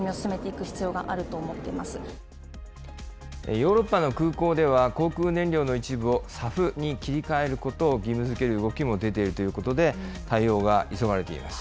ヨーロッパの空港では、航空燃料の一部をＳＡＦに切り替えることを義務づける動きも出ているということで、対応が急がれています。